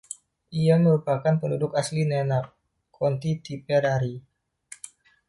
Ia merupakan penduduk asli Nenagh, County Tipperary.